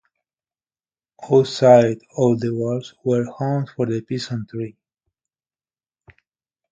Outside of the walls were homes for the peasantry.